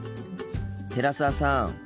寺澤さん